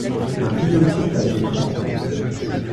Un vidéo clip a été tourné.